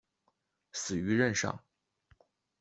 死于任上。